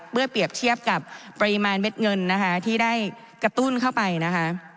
เปรียบเทียบกับปริมาณเม็ดเงินนะคะที่ได้กระตุ้นเข้าไปนะคะ